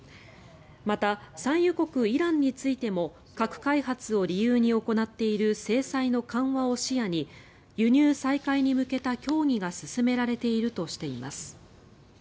また、産油国イランについても核開発を理由に行っている制裁の緩和を視野に輸入再開に向けた協議が進められているとしています。